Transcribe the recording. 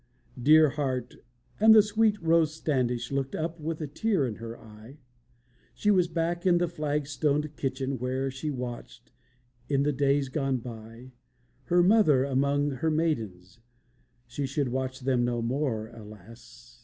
"Dear heart" and the sweet Rose Standish Looked up with a tear in her eye; She was back in the flag stoned kitchen Where she watched, in the days gone by, Her mother among her maidens (She should watch them no more, alas!)